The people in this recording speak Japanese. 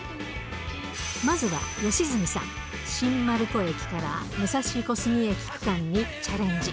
まずは良純さん、新丸子駅から武蔵小杉駅区間にチャレンジ。